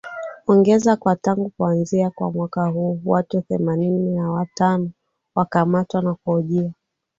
ongeza kuwa tangu kuanza kwa mwaka huu watu themanini na watano wamekamatwa na kuhojiwa